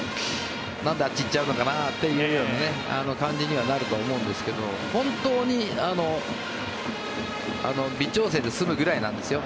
なんであっちに行っちゃうのかなという感じにはなると思うんですけど本当に微調整で済むぐらいなんですよ。